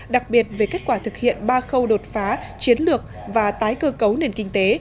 đặc biệt về kết quả thực hiện ba khâu đột phá chiến lược và tái cơ cấu nền kinh tế